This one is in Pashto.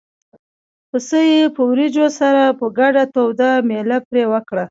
پسه یې په وریجو سره په ګډه توده مېله پرې وکړه.